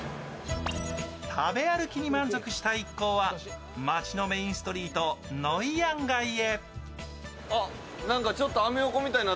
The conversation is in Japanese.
食べ歩きに満足した一行は街のメインストリート女人街へ。